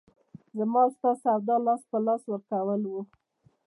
زما او ستا سودا لاس په لاس ورکول وو.